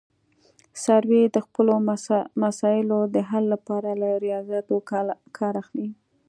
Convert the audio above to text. سروې د خپلو مسایلو د حل لپاره له ریاضیاتو کار اخلي